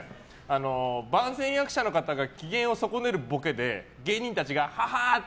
番宣役者の方が機嫌を損ねるので芸人たちがははっ！って